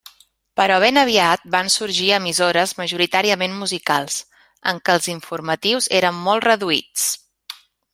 Però ben aviat van sorgir emissores majoritàriament musicals, en què els informatius eren molt reduïts.